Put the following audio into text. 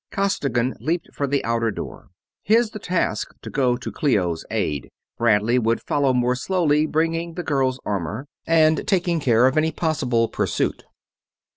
Costigan leaped for the outer door. His the task to go to Clio's aid Bradley would follow more slowly, bringing the girl's armor and taking care of any possible pursuit.